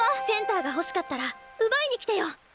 センターが欲しかったら奪いにきてよ。